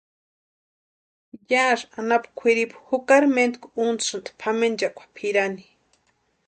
Yásï anapu kwʼiripu jukari mentku untasïni pʼamenchakwa pʼirani.